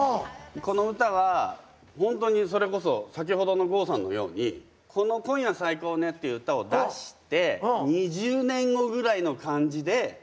この歌はホントにそれこそ先ほどの郷さんのようにこの「今夜最高ね」っていう歌を出して２０年後ぐらいの感じで歌ってみてるんです。